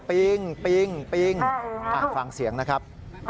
ปิงปิงฟังเสียงนะครับ